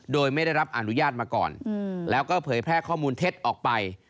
โดยไม่ได้รับอนุญาตมาก่อนแล้วก็เผยแพร่ข้อมูลเท็จออกไป